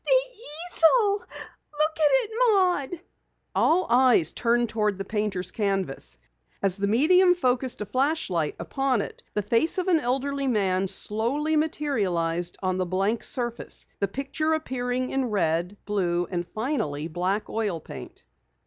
"The easel! Look at it, Maud!" All eyes turned toward the painter's canvas. As the medium focused a flashlight upon it, the face of an elderly man slowly materialized on the blank surface, the picture appearing in red, blue and finally black oil paint.